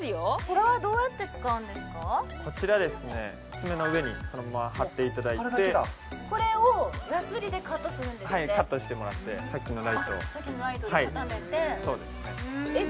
爪の上にそのまま貼っていただいてこれをやすりでカットするんですってはいカットしてもらってさっきのライトをさっきのライトで温めてえっ